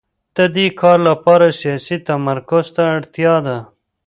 د دې کار لپاره سیاسي تمرکز ته اړتیا ده